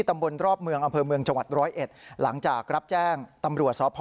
ตำบลรอบเมืองอำเภอเมืองจังหวัดร้อยเอ็ดหลังจากรับแจ้งตำรวจสพ